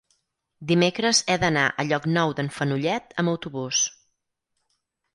Dimecres he d'anar a Llocnou d'en Fenollet amb autobús.